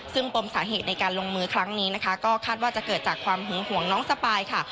ซึ่งปมสาเหตุในการลงมือครั้งนี้นะคะก็คาดว่าจะเกิดจากความหึงห่วงน้องสปายค่ะ